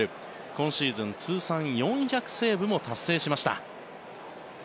今シーズン、通算４００セーブも達成しました。